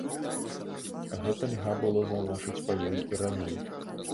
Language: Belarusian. Гэта льга было заўважыць па ёй і раней.